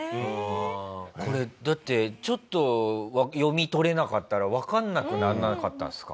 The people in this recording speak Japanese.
これだってちょっと読み取れなかったらわかんなくならなかったですか？